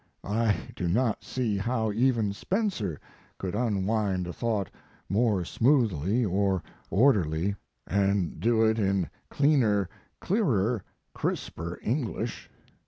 I do not see how even Spencer could unwind a thought more smoothly or orderly, and do it in cleaner, clearer, crisper English.